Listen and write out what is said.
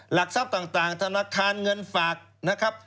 หลักทรัพย์ต่างธนาคารเงินฝากนะครับ